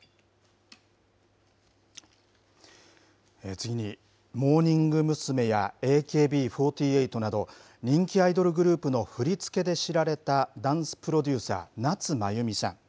次に、モーニング娘。やＡＫＢ４８など、人気アイドルグループの振り付けで知られたダンスプロデューサー、夏まゆみさん。